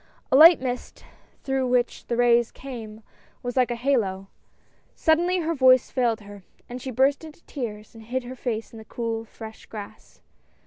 A light mist, through which the rays came, was like a halo. Sud denly her voice failed her, she burst into tears, and hid her face in the cool, fresh grass.